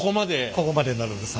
ここまでなるんです。